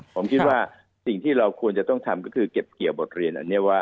ผมคิดว่าสิ่งที่เราควรจะต้องทำคือเก็บเกี่ยวบทเรียน